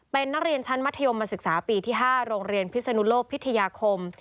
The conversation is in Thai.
เป็นนักเรียนชั้นมัธยมศึกษาปีที่๕โรงเรียนพิศนุโลกพิทยาคม